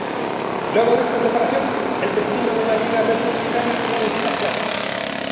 Luego de esta separación, el destino de la Liga Republicana no está claro.